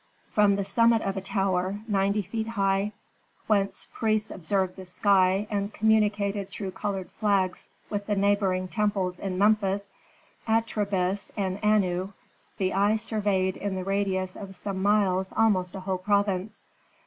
From the summit of a tower, ninety feet high, whence priests observed the sky and communicated through colored flags with the neighboring temples in Memphis, Atribis, and Anu, the eye surveyed in the radius of some miles almost a whole province.